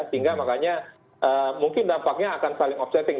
sehingga makanya mungkin dampaknya akan saling offsetting